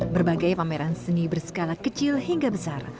berbagai pameran seni berskala kecil hingga besar